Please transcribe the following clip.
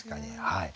はい。